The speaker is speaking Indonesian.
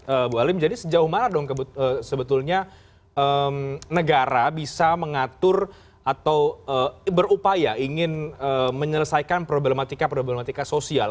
eee bu halim jadi sejauh mana dong sebetulnya eee negara bisa mengatur atau eee berupaya ingin eee menyelesaikan problematika problematika sosial